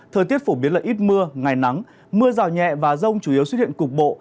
thời tiết phổ biến là ít mưa ngày nắng mưa rào nhẹ và rông chủ yếu xuất hiện cục bộ